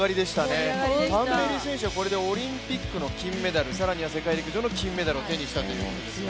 これでタンベリ選手は東京オリンピックの金メダル、更には世界陸上の金メダルを獲得したということですね。